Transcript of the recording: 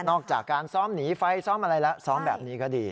ออกจากการซ้อมหนีไฟซ้อมอะไรแล้วซ้อมแบบนี้ก็ดี